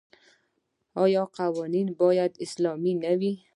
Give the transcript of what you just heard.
آیا قوانین باید اسلامي نه وي؟